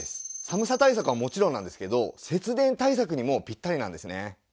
寒さ対策はもちろんなんですけど節電対策にもぴったりなんですね。